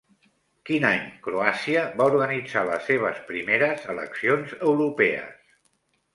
Quin any Croàcia va organitzar les seves primeres eleccions europees?